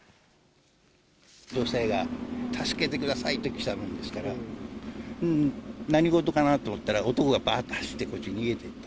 女性が助けてくださいと来たもんですから、何事かなと思ったら、男がばーって走って、こっちへ逃げていった。